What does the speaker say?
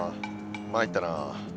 参ったな。